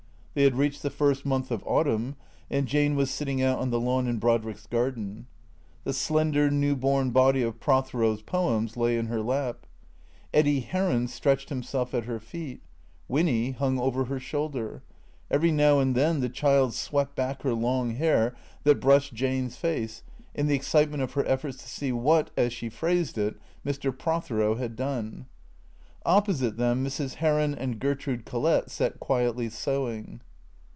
They had reached the first month of autumn, and Jane was sit ting out on the lawn in Brodrick's garden. The slender, new born body of Prothero's Poems lay in her lap. Eddy Heron stretched himself at her feet. Winny hung over her shoulder. Every now and then the child swept back her long hair that brushed Jane's face, in the excitement of her efforts to see what, as she phrased it, Mr. Prothero had done. Opposite them Mrs. Heron and Gertrude Collett sat quietly sewing.